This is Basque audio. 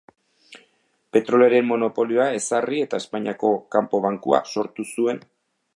Petrolioaren monopolioa ezarri eta Espainiako Kanpo Bankua sortu zuen.